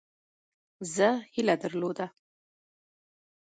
زه هیله درلوده.